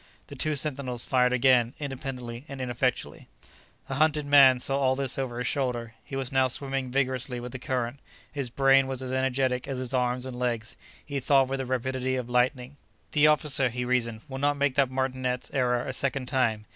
The two sentinels fired again, independently and ineffectually. The hunted man saw all this over his shoulder; he was now swimming vigorously with the current. His brain was as energetic as his arms and legs; he thought with the rapidity of lightning: "The officer," he reasoned, "will not make that martinet's error a second time.